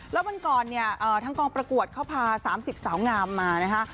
แล้ววันก่อนเนี่ยทั้งกองประกวดเขาพา๓๐สาวงามมานะคะ